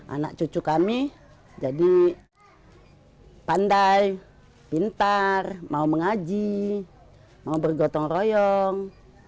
anak cucu kami jadi pandai pintar mau mengaji mau bergotong royong